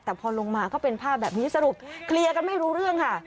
แต่พอลงมาก็เป็นภาพแบบนี้สรุปเคลียร์กันไม่รู้เรื่องค่ะ